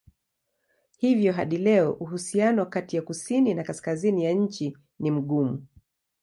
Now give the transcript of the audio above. Hivyo hadi leo uhusiano kati ya kusini na kaskazini ya nchi ni mgumu.